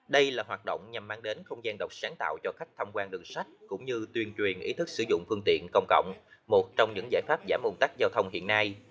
đây là hoạt động nhằm mang đến không gian đọc sáng tạo cho khách tham quan đường sách cũng như tuyên truyền ý thức sử dụng phương tiện công cộng một trong những giải pháp giảm ung tắc giao thông hiện nay